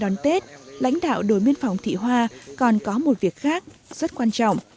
đón tết lãnh đạo đối miên phòng thị hoa còn có một việc khác rất quan trọng